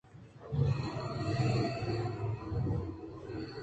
آئیءَ مپت ءِحُدا کلام ءَایشانی توسیپ ءُگلاہگ ءَ دنیا سر ءَ زرتگ اَت